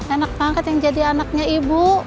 enak banget yang jadi anaknya ibu